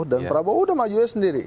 dan prabowo udah maju aja sendiri